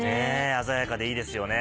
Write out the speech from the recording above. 鮮やかでいいですよね。